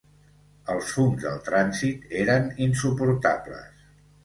Els fums del trànsit eren insuportables.